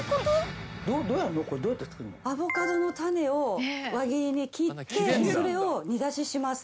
アボカドの種を輪切りに切ってそれを煮出しします。